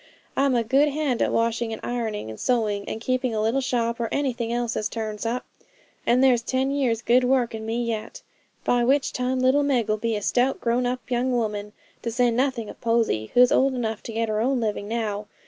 I'm a good hand at washing and ironing, and sewing, and keeping a little shop, or anything else as turns up; and there's ten years' good work in me yet; by which time little Meg'll be a stout, grown up young woman; to say nothing of Posy, who's old enough to get her own living now.